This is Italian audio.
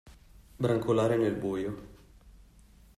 Brancolare nel buio.